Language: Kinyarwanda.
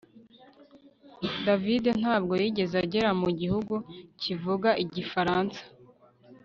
David ntabwo yigeze agera mu gihugu kivuga Igifaransa